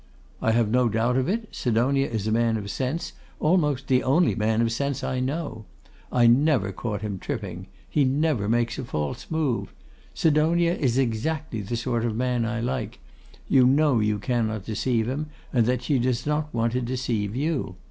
'I have no doubt of it; Sidonia is a man of sense, almost the only man of sense I know. I never caught him tripping. He never makes a false move. Sidonia is exactly the sort of man I like; you know you cannot deceive him, and that he does not want to deceive you.